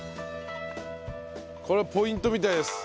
これはポイントみたいです。